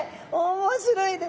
面白いです。